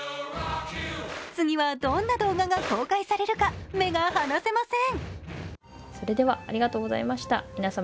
次はどんな動画が公開されるか目が離せません。